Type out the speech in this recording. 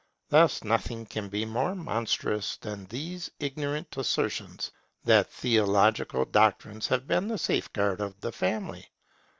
Thus nothing can be more monstrous than these ignorant assertions that theological doctrines have been the safeguard of the Family.